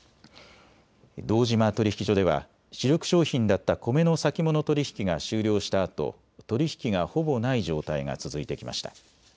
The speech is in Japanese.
堂島取引所では主力商品だったコメの先物取引が終了したあと取り引きがほぼない状態が続いてきました。